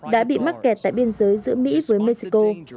đã bị mắc kẹt tại biên giới giữa mỹ với mexico